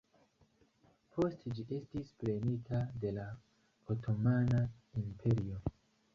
Poste ĝi estis prenita de la Otomana Imperio.